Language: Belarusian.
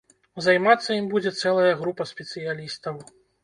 Займацца ім будзе цэлая група спецыялістаў.